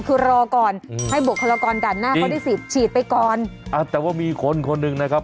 คือรอก่อนให้บวกธรรมกรดันหน้าเขาได้ฉีดไปก่อนอ่ะแต่ว่ามีคนคนหนึ่งนะครับ